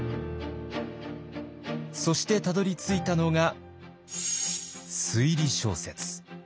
そしてたどりついたのが推理小説。